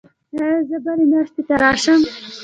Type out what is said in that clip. ایا زه بلې میاشتې راشم؟